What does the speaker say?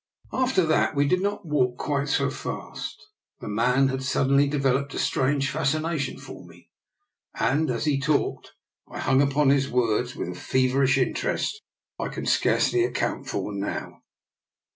After that we did not walk quite so fast. The man had suddenly developed a strange fas cination for me, and, as he talked, I hung upon his words with a feverish interest I can scarcely account for now.